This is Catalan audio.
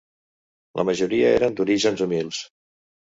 La majoria eren d'orígens humils.